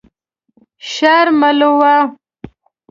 شر ملوه.